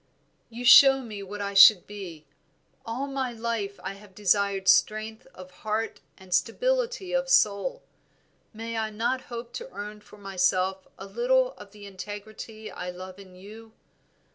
"You show me what I should be. All my life I have desired strength of heart and stability of soul; may I not hope to earn for myself a little of the integrity I love in you?